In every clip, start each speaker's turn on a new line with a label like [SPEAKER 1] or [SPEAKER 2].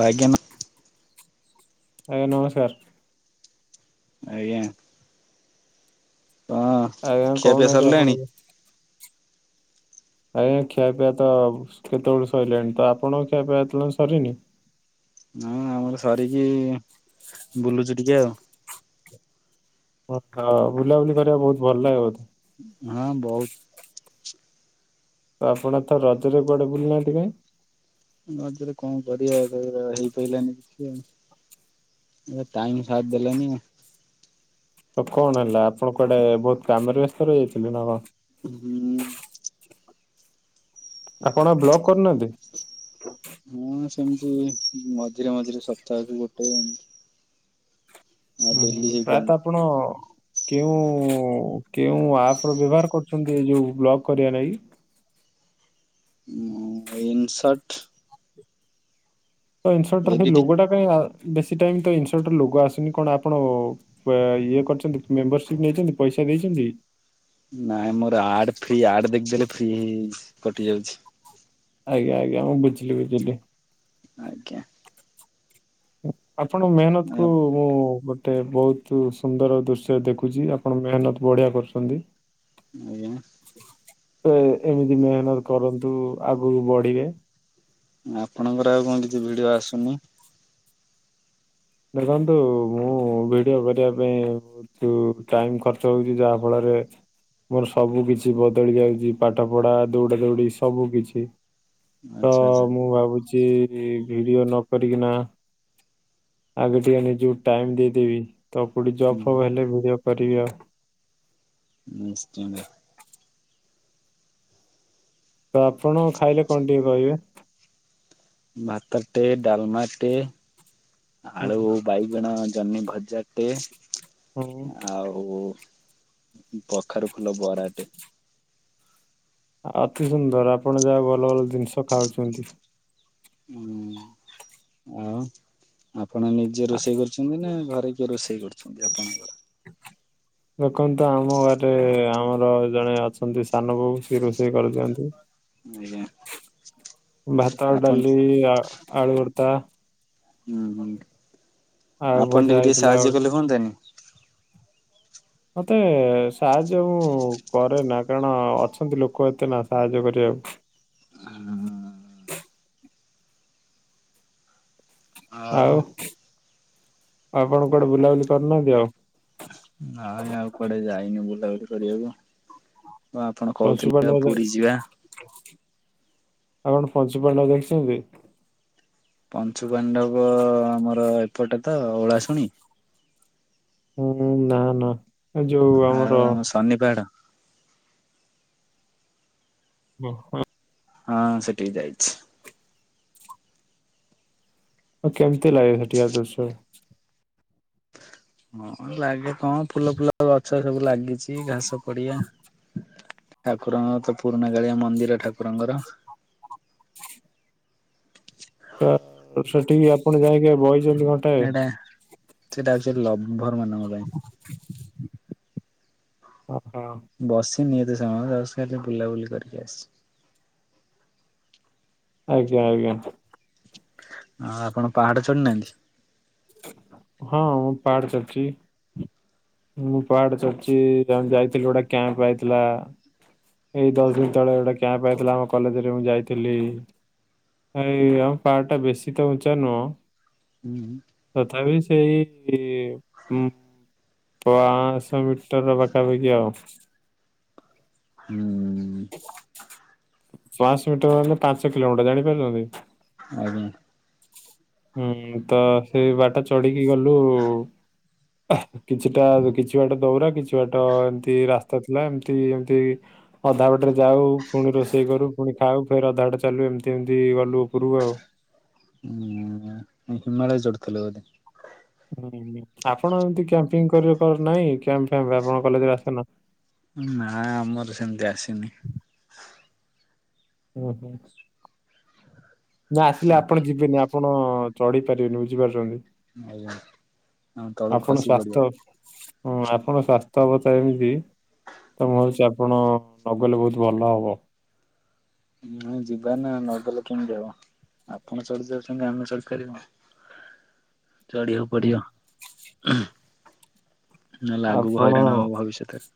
[SPEAKER 1] ଆ ଆଜ୍ଞା।
[SPEAKER 2] ଆଜ୍ଞା ନମସ୍କାର।
[SPEAKER 1] ଆଜ୍ଞା। [unintelligible]
[SPEAKER 2] ଆଜ୍ଞା କଣ
[SPEAKER 1] ଖିଆପିଆ
[SPEAKER 2] କହୁନାହାନ୍ତି
[SPEAKER 1] ସରିଲାଣି?
[SPEAKER 2] ଆପଣଙ୍କୁ ଆଜ୍ଞା ଖିଆ ପିଆ ତ କେତେବେଳୁ ସଇଲାଣି। ତ ଆପଣଙ୍କ ଖିଆ ପିଆ ଏତଳ ଯାଏଁ ସରିନି।
[SPEAKER 1] ନାଇ ଆମର ସରିକି ବୁଲୁଚୁ ଟିକେ ଆଉ।
[SPEAKER 2] [unintelligible] ବୁଲାବୁଲି କରିବା କୁ ବହୁତ ଭଲ ଲାଗେ ବୋଧେ।
[SPEAKER 1] ହଁ ବହୁତ।
[SPEAKER 2] ତ ଆପଣ ତ ରଜରେ କୁଆଡେ ବୁଲି ନାହାନ୍ତି କାଇଁ।
[SPEAKER 1] ରଜରେ କଣ କରିବା। ରଜରେ ପା ହେଇପାରିଲାନି କିଛି ଆଉ। ଏ ଟାଇମ୍ ସାଥ ଦେଲାନି ନା।
[SPEAKER 2] ତ କଣ ହେଲା ଆପଣ କୁଆଡେ ବହୁତ କାମରେ ବ୍ୟସ୍ତ ରହି ଯାଇଥିଲେ ନା କଣ।
[SPEAKER 1] ହୁଁ ହୁଁ।
[SPEAKER 2] ଆପଣ ବ୍ଲକ୍ କରୁନାହାନ୍ତି।
[SPEAKER 1] ହଁ ସେମିତି ମଝିରେ ମଝିରେ ସପ୍ତାହକୁ ଗୋଟେ ଏନ୍ତି
[SPEAKER 2] ହୁଁ ହୁଁ
[SPEAKER 1] ହେଇପାରୁନି
[SPEAKER 2] ପ୍ରାୟତଃ ଆପଣ କେଉଁ କେଉଁ ଆପ୍ ର ବ୍ୟବହାର କରୁଚନ୍ତି ଏ ଯୋଉ ବ୍ଲଗ କରିବା ନାଗି।
[SPEAKER 1] ଉଁ ଇନ୍ ଶଟ।
[SPEAKER 2] ତ ଇନସର୍ଟର ସେ
[SPEAKER 1] ଏଡିଟିଂ
[SPEAKER 2] ଲୋଗଟା କାଇଁ ବେଶୀ ଟାଇମ ତ ଇନସର୍ଟର ଲୋଗ ଆସୁନି କଣ ଆପଣ ସେ ଇଏ କରିଛନ୍ତି ମେମ୍ବରସିପ ନେଇଚନ୍ତି ପଇସା ଦେଇଚନ୍ତି।
[SPEAKER 1] ନାଇଁ ମୋର ଆଡ ଫ୍ରି ଆଡ ଦେଖିଦେଲେ ଫ୍ରି ହେଇଚି କଟି ଯାଉଚି।
[SPEAKER 2] ଆଜ୍ଞା ଆଜ୍ଞା ମୁଁ ବୁଝିଲି ବୁଝିଲି।
[SPEAKER 1] ଆଜ୍ଞା।
[SPEAKER 2] ଆପଣ ମେହନତ କୁ ମୁଁ ବୁ ଗୋଟେ ବହୁତ ସୁନ୍ଦର ଦୃଶ୍ୟ ଦେଖୁଚି ଆପଣ ମେହନତ ବଢ଼ିଆ କରୁଚନ୍ତି।
[SPEAKER 1] [unintelligible]
[SPEAKER 2] ତ ଏମିତି ମେହନତ କରନ୍ତୁ ଆଗକୁ ବଢିବେ।
[SPEAKER 1] ଆପଣଙ୍କର ଆଉ କଣ କିଛି ଭିଡିଓ ଆସୁନି।
[SPEAKER 2] ଦେଖନ୍ତୁ ମୁଁ ଭିଡିଓ କରିବା ପାଇଁ ତୁ ଟାଇମ ଖର୍ଚ୍ଚ ହଉଛି ଯାହା ଫଳରେ ମୋର ସବୁ କିଛି ବଦଳି ଯାଇଚି ପାଠ ପଢା ଦୌଡା ଦୌଡି ସବୁ କିଛି। ତ
[SPEAKER 1] ଆଚ୍ଛା ଆଚ୍ଛା
[SPEAKER 2] ମୁଁ ଭାବୁଛି ଭିଡିଓ ନକରି କିନା। ଆଗେ ଟିକେ ନିଜ କୁ ଟାଇମ୍ ଦେଇଦେବି ତ କୋଉଠି ଜବ୍ ଫବ୍ ହେଲେ ଭିଡିଓ କରିବି ଆଉ।
[SPEAKER 1] ହୁଁ ନିଶ୍ଚିନ୍ତ।
[SPEAKER 2] ତ ଆପଣ ଖାଇଲେ କଣ ଟିକେ କହିବେ?
[SPEAKER 1] ଭାତଟେ ଡାଲମାଟେ
[SPEAKER 2] ହୁଁ।
[SPEAKER 1] ଆଳୁ। ବାଇଗଣ ଜହ୍ନି ଭଜାଟେ
[SPEAKER 2] ହୁଁ
[SPEAKER 1] ଆଉ। ଓ କଖାରୁ ଫୁଲ ବରାଟେ।
[SPEAKER 2] [unintelligible] ଆ ଅତି ସୁନ୍ଦର ଆପଣ ଯାହା ଭଲ ଭଲ ଜିନିଷ ଖାଉଚନ୍ତି।
[SPEAKER 1] ହୁଁ ଆଉ। ଆପଣ ନିଜେ ରୋଷେଇ କରିଛନ୍ତି ନା ଘରେ କିଏ ରୋଷେଇ କରୁଛନ୍ତି ଆପଣଙ୍କର?
[SPEAKER 2] ଦେଖନ୍ତୁ ଆମ ଘରେ ଆମର ଜଣେ ଅଛନ୍ତି ସାନ ବୋଉ ସିଏ ରୋଷେଇ କରିଦିଅନ୍ତି।
[SPEAKER 1] ଆଜ୍ଞା
[SPEAKER 2] ଭାତ
[SPEAKER 1] ଆପଣ
[SPEAKER 2] ଡାଲି ଆ ଆଳୁ ଭର୍ତା।
[SPEAKER 1] ହୁଁ ହୁଁ
[SPEAKER 2] ଆଉ
[SPEAKER 1] ଆପଣ
[SPEAKER 2] ଭଜା
[SPEAKER 1] ଟିକେ ଟିକେ
[SPEAKER 2] ହେଇଥିଲା ଗୋ
[SPEAKER 1] ସାହାଯ୍ୟ କଲେ ହୁଅନ୍ତାନି?
[SPEAKER 2] ମତେ ସାହାଯ୍ୟ ମୁଁ କରେନା କାରଣ ଅଛନ୍ତି ଲୋକ ଏତେ ନା ସାହାଯ୍ୟ କରିବାକୁ। ଆଉ ଆପଣ କୁଆଡେ ବୁଲାବୁଲି କରିନାହାନ୍ତି ଆଉ?
[SPEAKER 1] ନାଇ ଆଉ କୁଆଡେ ଯାଇନି ବୁଲାବୁଲି କରିବାକୁ। ଓ ଆପଣ
[SPEAKER 2] ପଞ୍ଚୁ
[SPEAKER 1] କହୁଥିଲେ ବା
[SPEAKER 2] ପାଣ୍ଡବ ଦେ
[SPEAKER 1] ପୁରୀ ଯିବା।
[SPEAKER 2] ଆପଣ ପଞ୍ଚୁ ପାଣ୍ଡବ ଦେଖିଛନ୍ତି?
[SPEAKER 1] ପଞ୍ଚୁ ପାଣ୍ଡବ ଆମର ଏପଟେ ତ ଓଳାଶୁଣି?
[SPEAKER 2] ହୁଁ ହୁଁ ନା ନା। ଏ ଯୋଉ ଆମର
[SPEAKER 1] ଆଉ ଆମ ଶନି ପାହାଡ?
[SPEAKER 2] [unintelligible]
[SPEAKER 1] ହଁ ସେଠିକି ଯାଇଛି।
[SPEAKER 2] ଆଉ କେମତି ଲାଗେ ସେଠିକାର ଦୁର୍ଶ୍ୟ?
[SPEAKER 1] ହଁ ଲାଗେ କଣ ଫୁଲ ଫୁଲ ଗଛ ସବୁ ଲା ଗିଚି ଘାସ ପଡିଆ ଠାକୁରଙ୍କର ତ ପୁରୁଣା କାଳିଆ ମନ୍ଦିର ଠାକୁରଙ୍କର।
[SPEAKER 2] ତ ସେଠିକି ଆପଣ ଯାଇଁକି ବଇଚନ୍ତି କଣ?
[SPEAKER 1] ଏଟା ସେଟା ହଉଛି ଲଭର ମାନଙ୍କ ପାଇଁ।
[SPEAKER 2] [inaudible] ଓହୋ।
[SPEAKER 1] ବସିନି ଏତେ ସମୟ ଜଷ୍ଟ ଖାଲି ଟିକେ ବୁଲାବୁଲି କରିକି ଆସିଚୁ।
[SPEAKER 2] ଆଜ୍ଞା ଆଜ୍ଞା।
[SPEAKER 1] ଆ ଆପଣ ପାହାଡ ଚଢିନାହାନ୍ତି?
[SPEAKER 2] ହଁ ମୁଁ ପାହାଡ ଚଢିଛି। ମୁଁ ପାହାଡ ଚଢଚି ଏ ମାନେ ଯାଇଥିଲୁ ଗୋଟେ କ୍ୟାମ୍ପ ଯାଇଥିଲୁ ଆ। ଏଇ ଦଶ ଦିନ ତଳେ ଗୋଟେ କ୍ୟାମ୍ପ ହେଇଥିଲା ଆମ କଲେଜରେ ମୁଁ ଯାଇଥିଲି। ଭାଇ ଆମ ପାହାଡଟା ବେଶୀ ତ ଉଞ୍ଚା ନୁହଁ।
[SPEAKER 1] ହୁଁ ହୁଁ।
[SPEAKER 2] ତଥାବି ସେଇ ଉମ୍ ପାଆଂଶ ମିଟର ପାଖାପାଖି ଆଉ।
[SPEAKER 1] ହୁଁ।
[SPEAKER 2] ପାଆଁଶ ମିଟର ହେଲେ ପାଞ୍ଚ କିଲୋମିଟର ଜାଣିପାରୁଚନ୍ତି?
[SPEAKER 1] ଆଜ୍ଞା।
[SPEAKER 2] ହୁଁ ତ ସେଇ ବାଟା ଚଢିକି ଗଲୁ। କିଛିଟା କିଛି ବାଟ ଦୌରା କିଛି ବାଟ ଏମିତି ରାସ୍ତା ଥିଲା ଏମିତି ଏମିତି ଅଧା ବାଟରେ ଯାଉ ପୁଣି ରୋଷେଇ କରୁ ପୁଣି ଖାଉ ଫେର ଅଧା ବାଟେ ଚାଲୁ ଏମିତି ଏମିତି ଗଲୁ ଉପରକୁ ଆଉ।
[SPEAKER 1] ହୁଁ ହିମାଳୟ ଚଢୁଥିଲ ବୋଧେ?
[SPEAKER 2] ହୁଁ ଆପଣ ଏମିତି କ୍ୟାପିଙ୍ଗ କରିଆ କର ନାହିଁ କ୍ୟାମ୍ପ ଫାମ୍ପ ଆପଣ କଲେଜରେ ଆସନା?
[SPEAKER 1] ନା ଆମର ସେମିତି ଆସିନି।
[SPEAKER 2] ହୁଁ ହୁଁ। ନା ଆସିଲେ ଆପଣ ଯିବେନି ଆପଣ ଚଢି ପାରିବେନି ବୁଝିପାରୁଚନ୍ତି।
[SPEAKER 1] ଆଜ୍ଞା। ଆମ ତଳୁ
[SPEAKER 2] ଆପଣ
[SPEAKER 1] ଖସି ପଡିବ
[SPEAKER 2] ସ୍ୱାସ୍ଥ୍ୟ ହଁ ଆପଣଙ୍କ ସ୍ୱାସ୍ଥ୍ୟ ବଧେ ଏମିତି? ତ ମୁଁ ଭାବୁଚି ଆପଣ ନଗଲେ ବହୁତ ଭଲ ହବ।
[SPEAKER 1] ହ ଯିବା ନା ନଗଲେ କେମିତି ହବ ଆପଣ ଚଢି ଯାଉଚନ୍ତି ଆମେ ଚଢିପାରିବୁନୁ? ଚଢିବାକୁ
[SPEAKER 2] ହୁଁ।
[SPEAKER 1] ପଡିବ। ନହେଲେ ଲାଗୁ ହଇରାଣ
[SPEAKER 2] ଆପଣ
[SPEAKER 1] ହବ ଭବିଷ୍ୟତରେ।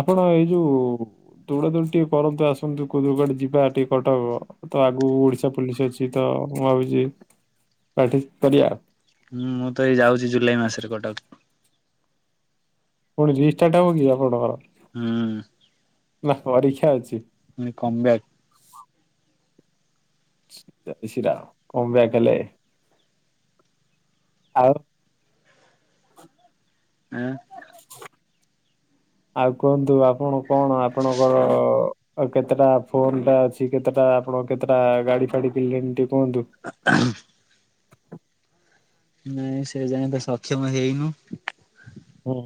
[SPEAKER 2] ଆପଣ ଏଇ ଯୋଉ ଦୌଡା ଦୌଡି ଟିକେ କରନ୍ତୁ ଆସନ୍ତୁ କୋଉ କୁଡେ ଯିବା ଟିକେ କଟକ। ତ ଆଗକୁ ଓଡିଶା ପୋଲିସ ଅଛି ତ ମୁଁ ଭାବୁଚି [unintelligible] କରିବା।
[SPEAKER 1] ହୁଁ ମୁଁ ତ ଏଇ ଯାଉଚି ଜୁଲାଇ ମାସରେ କଟକ।
[SPEAKER 2] ପୁଣି ରିଷ୍ଟାଟ ହବ କି ଆପଣଙ୍କର?
[SPEAKER 1] ହୁଁ।
[SPEAKER 2] ବାଃ ପରୀକ୍ଷା ଅଛି।
[SPEAKER 1] କମ୍ ବ୍ୟାକ।
[SPEAKER 2] [unintelligible] କମ ବ୍ୟାକ ହେଲେ
[SPEAKER 1] ଆଁ? [unintelligible]
[SPEAKER 2] ଆଉ କୁହନ୍ତୁ ଆପଣ କଣ ଆପଣଙ୍କର ଆଉ କେତେଟା ଫୋନ ଟା ଅଛି କେତେଟା ଆପଣଙ୍କ କେତେଟା ଗାଡି ଫାଡି କିଣିଲେଣି ଟିକେ କୁହନ୍ତୁ।
[SPEAKER 1] [unintelligible] ନାଇଁ ସେ ଯାଏ ତ ସକ୍ଷମ ହେଇନୁ।
[SPEAKER 2] ହୁଁ।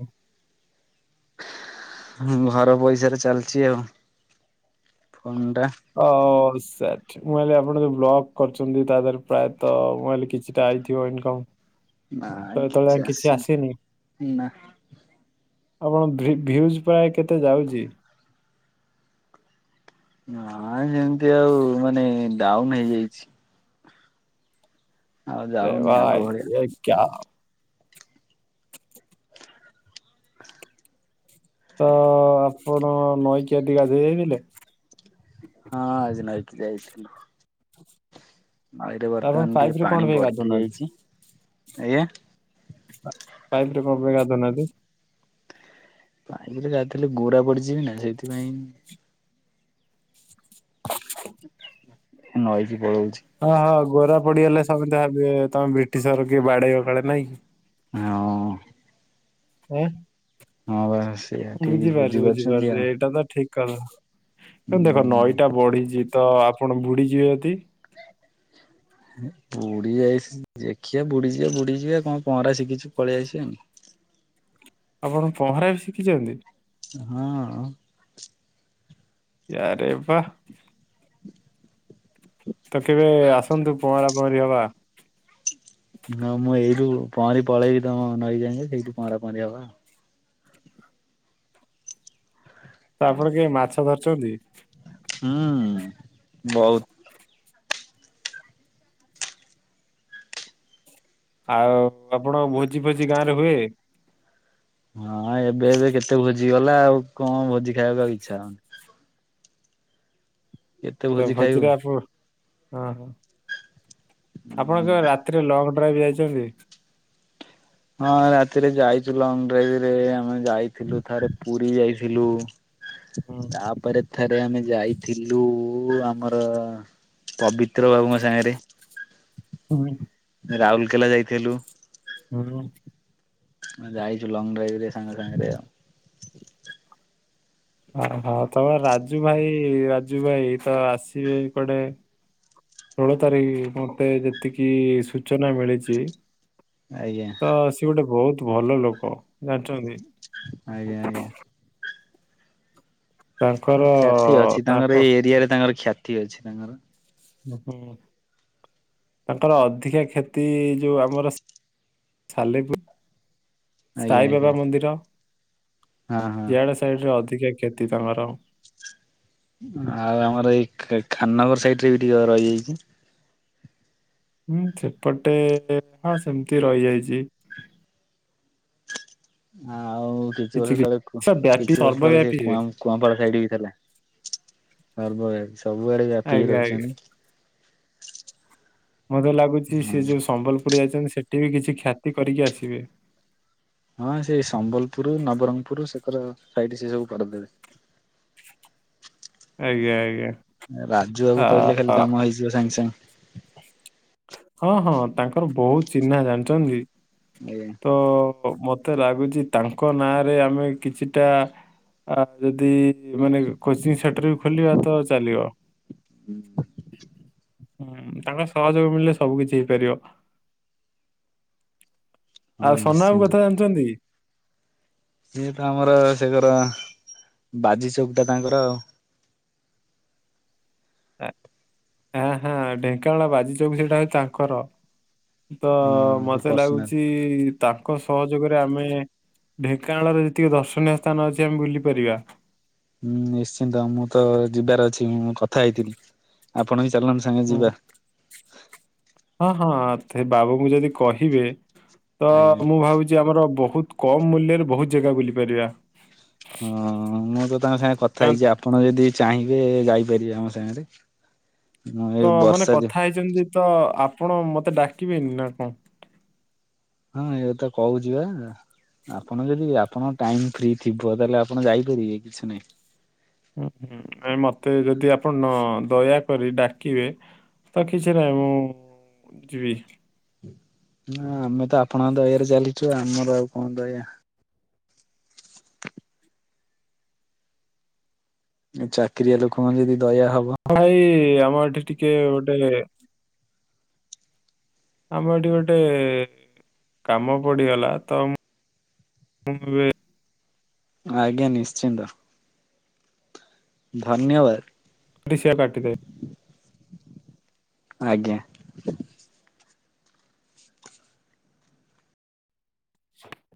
[SPEAKER 1] ଘର ପଇସାରେ ଚାଲିଚି ଆଉ ଫୋନ ଟା।
[SPEAKER 2] ଓ ସେଟ୍। ମୁଁ ଭାବିଲି ଆପଣ ଯୋଉ ବ୍ଲଗ କରିଚନ୍ତି ତା ଦେହରେ ପ୍ରାୟତଃ ମୁଁ ଭାବିଲି କିଛିଟା ଆଇଥିବ ଇନକମ୍।
[SPEAKER 1] ନା
[SPEAKER 2] ତ ଏତେବେଳେ
[SPEAKER 1] କିଛି
[SPEAKER 2] ଯାଏଁ
[SPEAKER 1] ଆସିନି ନା।
[SPEAKER 2] ଆପଣଙ୍କ ଭି ଭ୍ୟୁଜ୍ ପ୍ରାୟ କେତେ ଯାଉଚି?
[SPEAKER 1] ନା ସେମିତି ଆଉ ମାନେ ଡାଉନ ହେଇଯାଇଚି। ଆଉ
[SPEAKER 2] ଆରେ
[SPEAKER 1] ଯାଉନି ଆଗ
[SPEAKER 2] ଭାଇ
[SPEAKER 1] ଭଳିଆ
[SPEAKER 2] ୟେ କ୍ୟା ତ ଆପଣ ନଈକିଆଜି ଗାଧେଇ ଯାଇଥିଲେ?
[SPEAKER 1] ହଁ ଆଜି ନଇକି ଯାଇଥିଲି। ନଇରେ
[SPEAKER 2] ଆପଣ
[SPEAKER 1] ବର୍ତ୍ତମାନ
[SPEAKER 2] ପାଇପ
[SPEAKER 1] ଟିକେ
[SPEAKER 2] ରେ କଣ
[SPEAKER 1] ପାଣି
[SPEAKER 2] ପାଇଁ ଗାଧଉନାହାନ୍ତି?
[SPEAKER 1] ବଢିଇଯାଇଚି। ଆଜ୍ଞା?
[SPEAKER 2] ପାଇପରେ କଣ ପାଇଁ ଗାଧଉ ନାହାନ୍ତି?
[SPEAKER 1] ପାଇପରେ ଗାଧେଇଲେ ଗୋରା ପଡିଯିବି ନା ସେଇଥିପାଇଁ ନଇକି ପଳଉଚି।
[SPEAKER 2] ଓହୋ ଗୋରା ପଡିଗଲେ ସମସ୍ତେ ଭାବିବେ ତମେ ବ୍ରିଟିଶର କିଏ ବାଡେଇବ କାଳେ ନାଇଁ କି?
[SPEAKER 1] ହଁ। ହଁ ବା। ସେଇଆ ଠିକ
[SPEAKER 2] ବୁଝିପାରୁଚି
[SPEAKER 1] ବୁଝିପାରୁଛନ୍ତି
[SPEAKER 2] ବୁଝିପାରୁଚି
[SPEAKER 1] ଆଉ
[SPEAKER 2] ଏଇଟା ତ ଠିକ। ଦେଖ
[SPEAKER 1] ହୁଁ।
[SPEAKER 2] ନଈଟା ବଢିଚି ତ ଆପଣ ବୁଡିଯିବେ ଯଦି।
[SPEAKER 1] ବୁଡି ଯାଇସି ଦେଖିଆ ବୁଡିଯିବା ବୁଡିଯିବା କଣ ପହଁରା ଶିଖିଚି ପଳେଇଆସିଆନି।
[SPEAKER 2] ଆପଣ ପହଁରା ବି ଶିଖିଚନ୍ତି?
[SPEAKER 1] ହଁଅଁ
[SPEAKER 2] ୟାରେ ବାଃ। ତ କେବେ ଆସନ୍ତୁ ପହଁରା ପହଁରି ହବା।
[SPEAKER 1] ହଁ ମୁଁ ଏଇଠୁ ପହଁରି ପଳେଇବି ତମ ନଈଯାକେ ସେଇଠୁ ପହଁରା ପହଁରି ହବା ଆଉ।
[SPEAKER 2] ତ ଆପଣ କେବେ ମାଛ ଧରିଚନ୍ତି?
[SPEAKER 1] ହୁଁ ବହୁତ।
[SPEAKER 2] ଆଉ ଆପଣ ଭୋଜି ଫୋଜି ଗାଁ ରେ ହୁଏ।
[SPEAKER 1] ହଁ ଏବେ ଏବେ କେତେ ଭୋଜି ଗଲା ଆଉ କଣ ଭୋଜି ଖାଇବାକୁ ଆଉ ଇଛା ହଉନି। କେତେ
[SPEAKER 2] ତ
[SPEAKER 1] ଭୋଜି ଖାଇବୁ
[SPEAKER 2] ଭୋଜିରେ ଆପ ଅହ
[SPEAKER 1] ହୁଁ।
[SPEAKER 2] ଆପଣଙ୍କ ରାତିରେ ଲକ୍ ଡ୍ରାଇଭ ଯାଇଚନ୍ତି?
[SPEAKER 1] ହଁ ରାତିରେ ଯାଇଚୁ ଲଙ୍ଗ ଡ୍ରାଇଭ ରେ ଆମେ ଯାଇଥିଲୁ ଥରେ ପୁରୀ ଯାଇଥିଲୁ।
[SPEAKER 2] ହୁଁ
[SPEAKER 1] ତାପରେ ଥରେ ଆମେ ଯାଇ ଥିଲୁ ଆମର ପବିତ୍ର ବାବୁଙ୍କ
[SPEAKER 2] [unintelligible]
[SPEAKER 1] ରାଉଲକେଲା ଯାଇଥିଲୁ।
[SPEAKER 2] ହୁଁ।
[SPEAKER 1] ଯାଇଚୁ ଲଙ୍ଗ ଡ୍ରାଇଭ ରେ ସାଙ୍ଗ ସାଙ୍ଗେରେ ଆଉ।
[SPEAKER 2] ଅହ ତମ ରାଜୁ ଭାଇ ରାଜୁ ଭାଇ ତ ଆସିବେ କୁଆଡେ? ଷୋଳ ତାରିକ ମତେ ଯେତିକି ସୂଚନା ମିଳିଚି।
[SPEAKER 1] ଆଜ୍ଞା
[SPEAKER 2] ତ ସିଏ ଗୋଟେ ବହୁତ ଭଲ ଲୋକ ଜାଣିଚନ୍ତି?
[SPEAKER 1] ଆଜ୍ଞା ଆଜ୍ଞା
[SPEAKER 2] ତାଙ୍କର
[SPEAKER 1] କ୍ଷ୍ୟାତି ଅଛି ତାଙ୍କର
[SPEAKER 2] ତାଙ୍କ
[SPEAKER 1] ଏଇ ଏରିଆ ରେ ତାଙ୍କର କ୍ଷ୍ୟାତି ଅଛି ତାଙ୍କର।
[SPEAKER 2] ଦେଖନ୍ତୁ ତାଙ୍କର ଅଧିକା କ୍ଷତି ଯୋଉ ଆମର। ସାଲେପୁର।
[SPEAKER 1] ଆଜ୍ଞା
[SPEAKER 2] ସାଇ ବାବା
[SPEAKER 1] ଆଜ୍ଞା
[SPEAKER 2] ମନ୍ଦିର
[SPEAKER 1] ହଁ ହଁ
[SPEAKER 2] ଇଆଡେ ସାଇଡ ରେ ଅଧିକା କ୍ଷତି ତାଙ୍କର।
[SPEAKER 1] ଆଉ ଆମର ଏଇ ଖା ଖାନନଗର ସାଇଡ ରେ ବି ଟିକେ ରହିଯାଇଚି।
[SPEAKER 2] ହୁଁ ସେପଟେ ହଁ ସେମତି ରହିଯାଇଚି।
[SPEAKER 1] ଆଉ କିଛି ବର୍ଷ
[SPEAKER 2] କି
[SPEAKER 1] ତଳେ
[SPEAKER 2] ସେ ବ୍ୟାପୀ
[SPEAKER 1] କିଛି ବର୍ଷ ତଳେ ସେ
[SPEAKER 2] ସର୍ବବ୍ୟାପୀ ହୁଏ
[SPEAKER 1] କୁଆଁଉଁ କୂଆଁପାଳ ସାଇଡ ବି ଥେଲା। ତାରପରେ ସବୁଆଡେ ବ୍ୟାପି କି
[SPEAKER 2] ଆଜ୍ଞା ଆଜ୍ଞା
[SPEAKER 1] ରହିଚନି।
[SPEAKER 2] ମୋତେ ଲାଗୁଚି
[SPEAKER 1] ହଁ
[SPEAKER 2] ସିଏ ଯୋଉ ସମ୍ବଲପୁର୍ ଯାଇଚନ୍ତି ସେଠି ବି କିଛି ଖ୍ୟାତି କରିକି ଆସିବେ।
[SPEAKER 1] ହଁ ସେଇ ସମ୍ବଲପୁରୁ ନବରଙ୍ଗପୁରୁ ସେକର ସାଇଡ୍ ସେ ସବୁ କରିଦେବେ।
[SPEAKER 2] ଆଜ୍ଞା ଆଜ୍ଞା ଆ
[SPEAKER 1] ରାଜୁବାବୁ କହିଲେ ଖାଲି କାମ ହେଇଯିବ ସାଙ୍ଗେ-ସାଙ୍ଗେ।
[SPEAKER 2] ହଁ-ହଁ ତାଙ୍କର ବହୁତ୍ ଚିହ୍ନା ଜାଣିଚନ୍ତି କି?
[SPEAKER 1] ଆଜ୍ଞା।
[SPEAKER 2] ତ ମତେ ଲାଗୁଚି ତାଙ୍କ ନାଁରେ ଆମେ କିଛିଟା। ଆଉ ଯଦି ମାନେ କୋଚିଂ ସେଟର ବି ଖୋଲିବା ତ ଚାଲିବ।
[SPEAKER 1] [inaudible]
[SPEAKER 2] ହୁଁ ତାଙ୍କର ସହଯୋଗ ମିଳିଲେ ସବୁ କିଛି ହେଇପାରିବ।
[SPEAKER 1] ହଁ
[SPEAKER 2] ଆଉ ସନାବାବୁ
[SPEAKER 1] ନିଶ୍ଚିନ୍ତ।
[SPEAKER 2] କଥା ଜାଣିଚନ୍ତି।
[SPEAKER 1] ସିଏ ତ ଆମର ସେଗର ବାଜି ଚୌକ ଟା ତାଙ୍କର ଆଉ।
[SPEAKER 2] ଆ ହାଁ ହାଁ ଢେଙ୍କାନାଳ ବାଜିଚୌକ ସେଇଟା ହଉଛି ତାଙ୍କର। ତ
[SPEAKER 1] ହଁ ସେ
[SPEAKER 2] ମତେ
[SPEAKER 1] ପର୍ସନାଲ।
[SPEAKER 2] ଲାଗୁଚି ତାଙ୍କ ସହଯୋଗରେ ଆମେ ଢେଙ୍କାନାଳରେ ଯେତିକି ଦର୍ଶନୀୟ ସ୍ଥାନ ଅଛି ଆମେ ବୁଲି ପାରିବା।
[SPEAKER 1] ହୁଁ ନିଶ୍ଚିନ୍ତ ମୁଁତ ଯିବାର ଅଛି ମୁଁ କଥା ହେଇଥିଲି ଆପଣବି ଚାଲୁନାନ୍ତି
[SPEAKER 2] ହୁଁ ହଁ-ହଁ ଥେ ବାବୁଙ୍କୁ ଯଦି କହିବେ ତ
[SPEAKER 1] ଆଜ୍ଞା
[SPEAKER 2] ମୁଁ ଭାବୁଚି ଆମର ବହୁତ୍ କମ୍ ମୂଲ୍ୟରେ ବହୁତ୍ ଜେଗା ବୁଲି ପାରିବା।
[SPEAKER 1] ହଁ ମୁଁତ ତାଙ୍କ ସାଙ୍ଗରେ କଥା
[SPEAKER 2] କା
[SPEAKER 1] ହେଇଚି ଆପଣ ଯଦି ଚାହିଁବେ ଯାଇପାରିବେ ଆମ ସାଙ୍ଗରେ। ମୁଁ ଏଇ
[SPEAKER 2] ତ ମାନେ
[SPEAKER 1] ବର୍ଷାରେ
[SPEAKER 2] କଥା ହେଇଚନ୍ତିତ ଆପଣ ମତେ ଡାକିବେନିନା କଣ?
[SPEAKER 1] ହଁ ଏଇକଥା କହୁଚିବା। ଆପଣ ଯଦି ଆପଣ ଟାଇମ୍ ଫ୍ରିଥିବ ତାହେଲେ ଆପଣ ଯାଇପାରିବେ କିଛି ନାହିଁ।
[SPEAKER 2] ହୁଁ-ହୁଁ ଆ ମତେ ଯଦି ଆପଣ ନ ଦୟାକରି ଡାକିବେ ତ କିଛି ନାହିଁ ମୁଁ ଯିବି।
[SPEAKER 1] ନା ଆମେତ ଆପଣଙ୍କ ଦୟାରେ ଚାଲିଚୁ ଆମର ଆଉ କଣ ଦୟା। ଚାକିରିଆ ଲୋକମାନେ ଯଦି ଦୟା ହବ
[SPEAKER 2] ଭାଇ ଆମ ଏଠି ଟିକେ ଗୋଟେ ଆମ ଏଠି ଗୋଟେ କାମ ପଡ଼ିଗଲା ତମୁ [unintelligible] ଏବେ
[SPEAKER 1] ଆଜ୍ଞା ନିଶ୍ଚିନ୍ତ। ଧନ୍ୟବାଦ୍।
[SPEAKER 2] ଡିଷିଆର୍ କାଟିଦେବେ
[SPEAKER 1] ଆଜ୍ଞା।
[SPEAKER 2] [inaudible]